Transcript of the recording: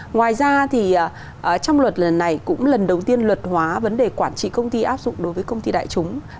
ngoài ra thì trong luật lần này cũng lần đầu tiên luật hóa vấn đề quản trị công ty áp dụng đối với công ty đại chúng